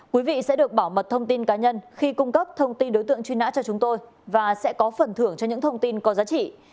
quý vị sẽ được bảo mật thông tin cá nhân khi cung cấp thông tin đối tượng truy nã cho chúng tôi và sẽ có phần thưởng cho những thông tin có giá trị